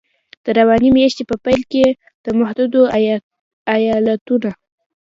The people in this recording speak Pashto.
د روانې میاشتې په پیل کې د متحدو ایالتونو